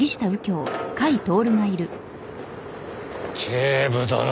警部殿。